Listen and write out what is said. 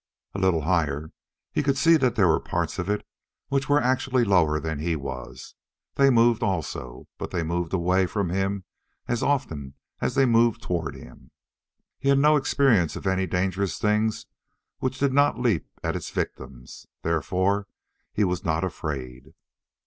A little higher, he could see that there were parts of it which were actually lower than he was. They moved also, but they moved away from him as often as they moved toward him. He had no experience of any dangerous thing which did not leap at its victims. Therefore he was not afraid.